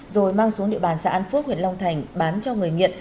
rồi mang xuống địa bàn xã an phước huyện long thành bán cho người nghiện